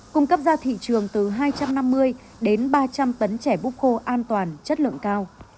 cung cấp ra thị trường từ hai trăm năm mươi đến ba trăm linh tấn trẻ búp khô an toàn chất lượng cao